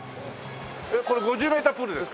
えっこれ５０メートルプールですか？